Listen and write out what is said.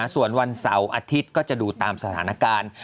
ส่วนวันเสาร์อาทิตย์ก็จะดูตามสถานการณ์